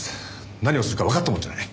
何をするかわかったもんじゃない。